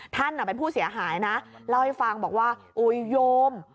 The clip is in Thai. นั่นเป็นผู้เสียหายนะเล่าให้ฟังบอกว่าอุ๊ยโยม